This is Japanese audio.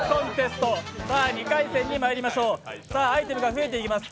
２回戦にまいりましょう、アイテムが増えていきます。